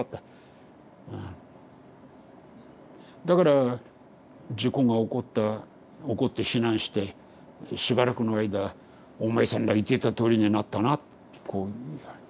だから事故が起こった起こって避難してしばらくの間「お前さんら言ってたとおりになったな」ってこう。